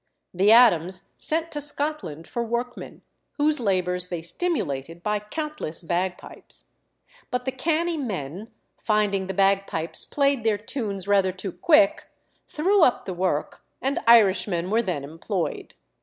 The Adams sent to Scotland for workmen, whose labours they stimulated by countless bagpipes; but the canny men, finding the bagpipes played their tunes rather too quick, threw up the work, and Irishmen were then employed.